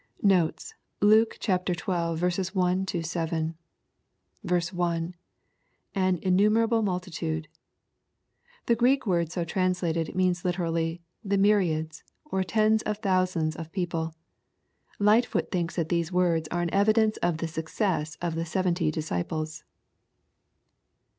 '' Notes. Luke XTT. 1 — 7. I — [An innv/merable fnidtUude^ The Greek word so translated means literally, " The myriads," or tens of thousands of the peo ple. Lightfoot thinks that these words are an evidence of the success of the seventy disciples.